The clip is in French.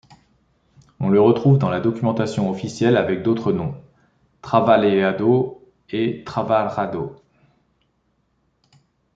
On le retrouve dans la documentation officielle avec d'autres noms: Travaleado et Travajado.